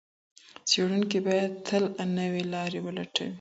څېړونکي باید تل نوې لارې ولټوي.